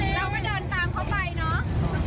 คุณจอลวินยูนะคะมาจากเมื่อช่วงเย็น